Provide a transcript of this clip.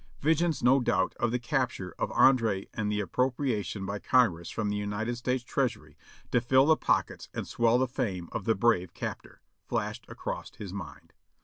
Visions, no doubt, of the capture of Andre and appropriation by Congress from the United States Treasury to fill the pockets and swell the fame of the brave captor, flashed across his mind.